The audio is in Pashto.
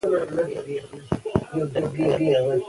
دوهم شاه عباس په یوه مستۍ کې خپله ښځه وسوځوله.